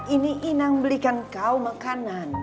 ini inang belikan kau makanan